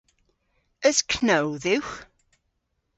Eus know dhywgh?